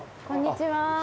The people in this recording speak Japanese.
こんにちは。